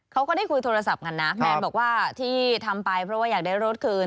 ก็ได้คุยโทรศัพท์กันนะแมนบอกว่าที่ทำไปเพราะว่าอยากได้รถคืน